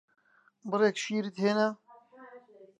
بڕێک شیرت هێنا؟